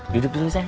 duduk dulu sayang